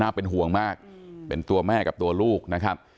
เป็นห่วงมากเป็นตัวแม่กับตัวลูกนะครับ